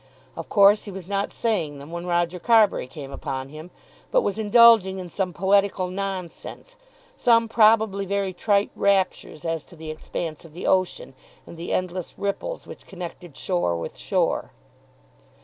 Of course he was not saying them when Roger Carbury came upon him; but was indulging in some poetical nonsense, some probably very trite raptures as to the expanse of the ocean, and the endless ripples which connected shore with shore.